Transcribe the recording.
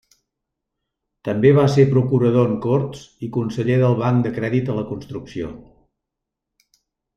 També va ser Procurador en Corts i Conseller del Banc de Crèdit a la Construcció.